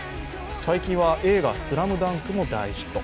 最近は映画「ＳＬＡＭＤＵＮＫ」も大ヒット。